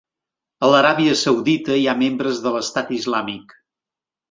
A l'Aràbia Saudita hi ha membres de l'Estat Islàmic